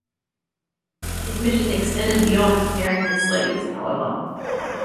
His mission extended beyond caring for slaves, however.